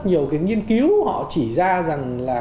nhiều nghiên cứu họ chỉ ra